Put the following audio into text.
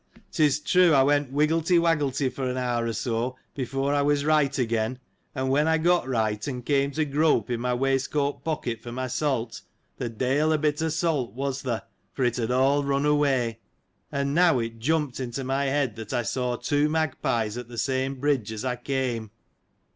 'Tis true I went wigglety — wagglety, for an hour, or so, before I was right again ; and when I got right, and came to grope in my waistcoat pocket for my salt, the de'il a bit of salt was there, for it had all run away. And now it jumped into my head, that I saw two magpies at the same bridge as I came.